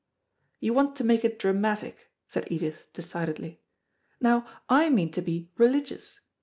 "You want to make it dramatic," said Edith decidedly. "Now, I mean to be religious.